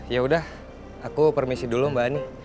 yaudah aku permisi dulu mbak ani